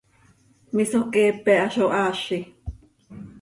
misoqueepe ha zo haazi!